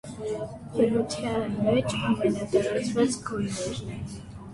Բնութեան մէջ ամենատարածուած գոյներէն է։